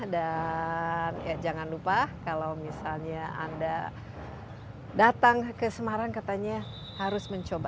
dan jangan lupa kalau misalnya anda datang ke semarang katanya harus mencoba